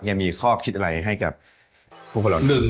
ยังมีข้อคิดอะไรให้กับผู้ขอร่วม